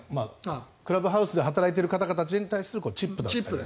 クラブハウスで働いている方たちに払うチップだとか。